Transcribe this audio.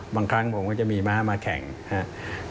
บางครั้งผมก็จะมีม้ามาแข่งนะครับ